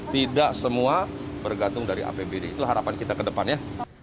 tidak semua bergantung dari apbd itulah harapan kita ke depan ya